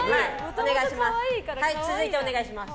お願いします。